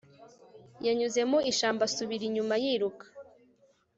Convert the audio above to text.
yanyuze mu ishyamba, asubira inyuma yiruka